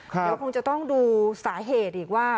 เดี๋ยวคงจะต้องดูสาเหตุอีกว่า